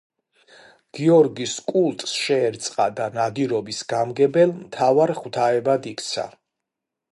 გიორგის კულტს შეერწყა და ნადირობის გამგებელ მთავარ ღვთაებად იქცა.